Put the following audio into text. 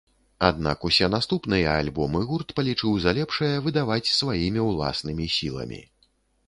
Аднак усе наступныя альбомы гурт палічыў за лепшае выдаваць сваімі ўласнымі сіламі.